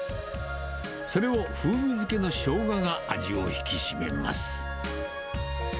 それを風味づけのしょうがが味を引き締めます。